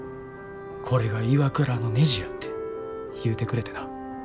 「これがＩＷＡＫＵＲＡのねじや」って言うてくれてな。